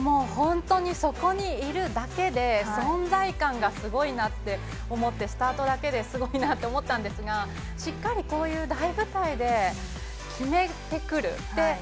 そこにいるだけで存在感がすごいなって思ってスタートだけですごいなって思ったんですがしっかりこういう大舞台で決めてくる。